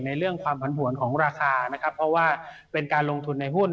เรื่องความผันผวนของราคานะครับเพราะว่าเป็นการลงทุนในหุ้น